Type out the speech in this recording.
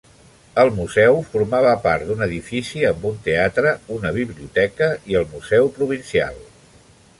El museu formava part d'un edifici amb un teatre, una biblioteca i el museu provincial.